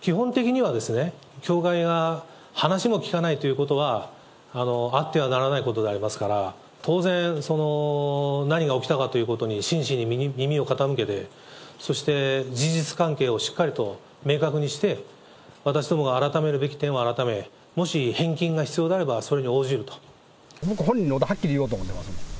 基本的には、教会が話も聞かないということはあってはならないことでありますから、当然、何が起きたかということに真摯に耳を傾けて、そして事実関係をしっかりと明確にして、私どもが改めるべき点は改め、もし返金が必要であれば、それに応僕、本人におうて、はっきり言おうと思いますね。